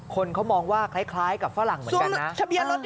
คนเขามองว่าคล้ายกับฝรั่งเหมือนกันนะ